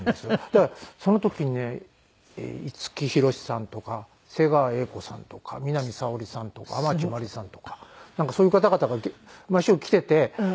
だからその時にね五木ひろしさんとか瀬川瑛子さんとか南沙織さんとか天地真理さんとかなんかそういう方々が毎週来ていて。